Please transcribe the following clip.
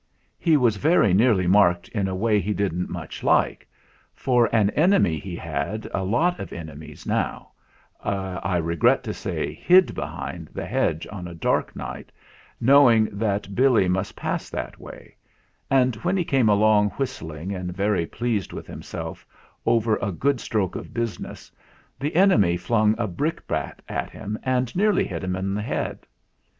He was very nearly marked in a way he didn't much like, for an enemy he had a lot of enemies now, I regret to say hid behind the hedge on a dark night, knowing that Billy must pass that way; and when he came along whistling and very pleased with himself over a good stroke of business the enemy flung a brickbat at him and nearly hit him THE MEETING 85 on the head.